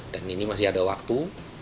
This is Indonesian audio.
dan ini masih ada waktu